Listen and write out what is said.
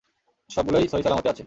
সবগুলো সহিসালামতেই আছে।